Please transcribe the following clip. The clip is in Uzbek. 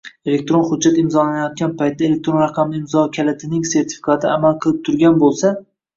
elektron hujjat imzolanayotgan paytda elektron raqamli imzo kalitining sertifikati amal qilib turgan bo‘lsa;